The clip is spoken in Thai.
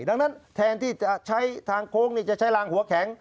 ดังนั้นแทนที่จะใช้ทางโค้งจะใช้รางหัวแข็ง